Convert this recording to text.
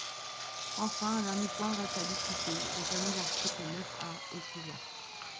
Enfin, un dernier point reste à discuter : les fameux articles neuf A et suivants.